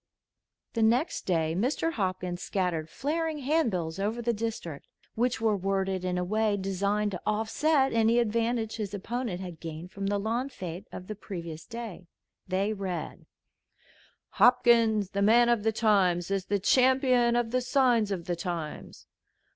The next day Mr. Hopkins scattered flaring hand bills over the district which were worded in a way designed to offset any advantage his opponent had gained from the lawn fête of the previous day. They read: "Hopkins, the Man of the Times, is the Champion of the Signs of the Times.